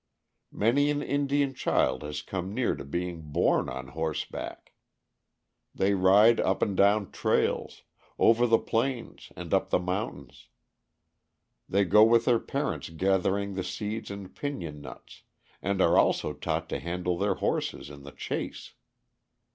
Many an Indian child has come near to being born on horseback. They ride up and down trails, over the plains and up the mountains. They go with their parents gathering the seeds and pinion nuts, and are also taught to handle their horses in the chase.